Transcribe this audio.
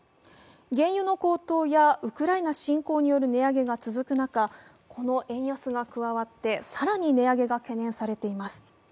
原油の高騰やウクライナ侵攻による値上げが続く中、この円安が加わって、更に値上げが懸念されています。